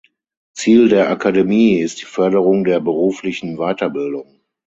Ziel der Akademie ist die Förderung der beruflichen Weiterbildung.